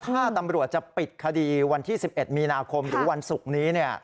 ถ้าตำรวจจะปิดคดีวันที่๑๑มีนาคมหรือวันศุกร์นี้